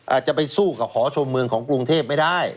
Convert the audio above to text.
อาจจะไปสู้กับหอชมเมืองของกรุงเทพไม่ได้